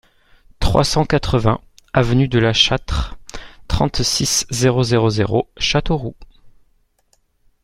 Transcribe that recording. trois cent quatre-vingts avenue de La Châtre, trente-six, zéro zéro zéro, Châteauroux